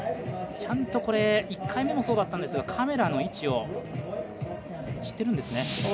ちゃんとこれ１回目もそうだったんですがカメラの位置を知っているんですね。